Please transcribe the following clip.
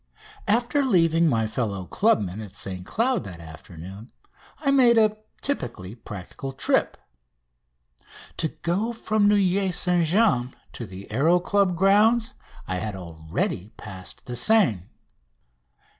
After leaving my fellow clubmen at St Cloud that afternoon I made a typically practical trip. To go from Neuilly St James to the Aéro Club's grounds I had already passed the Seine.